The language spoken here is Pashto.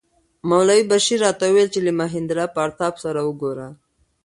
مولوي بشیر راته وویل چې له مهیندراپراتاپ سره وګوره.